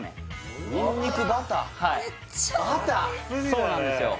そうなんですよ